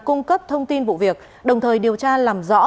cung cấp thông tin vụ việc đồng thời điều tra làm rõ